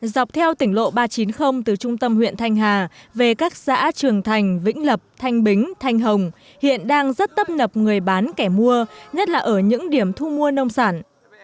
dọc theo tỉnh lộ ba trăm chín mươi từ trung tâm huyện thanh hà về các xã trường thành vĩnh lập thanh bính thanh hồng hiện đang rất tấp nập người bán kẻ mua nhất là ở những điểm thu mua nông sản